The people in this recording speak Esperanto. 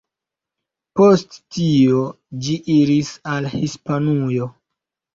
Post tio ĝi iris al Hispanujo.